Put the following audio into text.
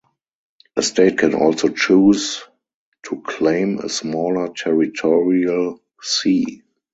A state can also choose to claim a smaller territorial sea.